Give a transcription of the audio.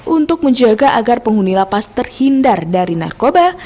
untuk menjaga agar penghuni lapas terhindar dari narkoba